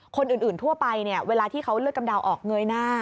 คนอื่นทั่วไปเนี่ยเวลาที่เขาเลือดกำเดาออกเงยหน้า